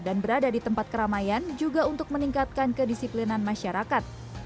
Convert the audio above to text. dan berada di tempat keramaian juga untuk meningkatkan kedisiplinan masyarakat